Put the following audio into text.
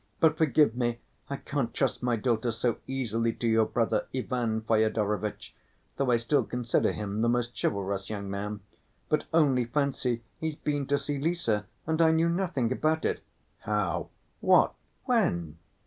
But forgive me, I can't trust my daughter so easily to your brother Ivan Fyodorovitch, though I still consider him the most chivalrous young man. But only fancy, he's been to see Lise and I knew nothing about it!" "How? What? When?"